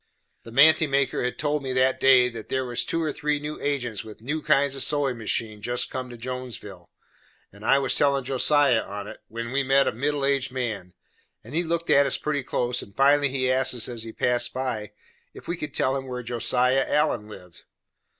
The manty maker had told me that day, that there was two or three new agents with new kinds of sewin' machines jest come to Jonesville, and I was tellin' Josiah on it, when we met a middle aged man, and he looked at us pretty close, and finally he asked us as he passed by, if we could tell him where Josiah Allen lived.